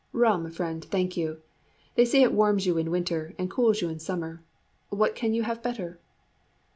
"Rum, friend, thank you. They say it warms you in winter, and cools you in summer what can you have better?"